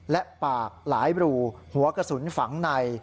และปากหลายรูหัวกระสุนฝังใน